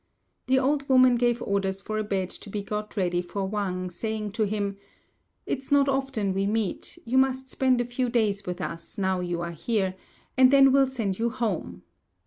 The old woman gave orders for a bed to be got ready for Wang, saying to him, "It's not often we meet: you must spend a few days with us now you are here, and then we'll send you home.